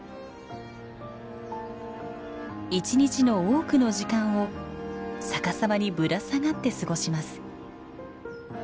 一日の多くの時間を逆さまにぶら下がって過ごします。